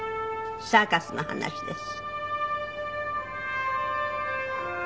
サーカスの話です。